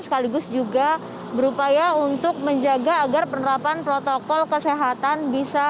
sekaligus juga berupaya untuk menjaga agar penerapan protokol kesehatan bisa